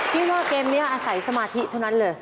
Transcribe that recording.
ที่ว่าเกมนี้อาศัยสมาธิเท่านั้นเลย